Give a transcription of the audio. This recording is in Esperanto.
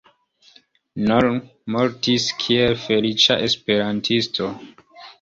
Noll mortis kiel feliĉa esperantisto.